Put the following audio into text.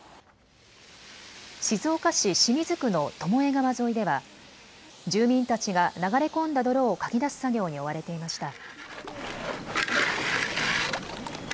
静岡市清水区の巴川沿いでは住民たちが流れ込んだ泥をかき出す作業に追われていました。